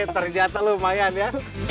terjata lumayan ya